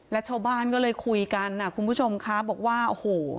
และชาวบ้านก็เลยคุยกันคุณผู้ชมคะบอกว่าโอ้โห